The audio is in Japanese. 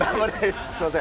すみません。